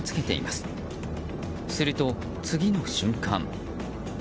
すると、次の瞬間。